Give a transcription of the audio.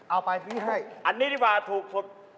เอาไปที่นี่ให้อันนี้ที่มาถูกสุด